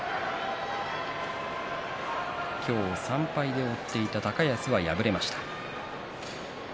今日３敗で追っていた高安は敗れました。